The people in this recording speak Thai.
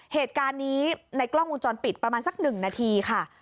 เหตุการณ์นี้ในกล้องวงจรปิดประมาณสัก๑นาทีค่ะ